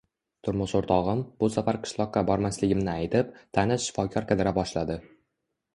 Turmush o`rtog`im, bu safar qishloqqa bormasligimni aytib, tanish shifokor qidira boshladi